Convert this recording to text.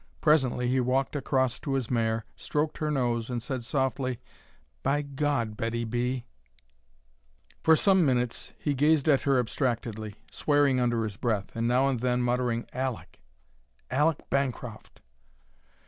Presently he walked across to his mare, stroked her nose, and said softly, "By God! Betty B.!" For some minutes he gazed at her abstractedly, swearing under his breath, and now and then muttering, "Aleck! Aleck Bancroft!"